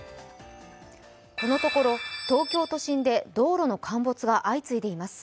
このところ東京都心で道路の陥没が相次いでいます。